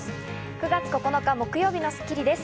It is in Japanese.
９月９日、木曜日の『スッキリ』です。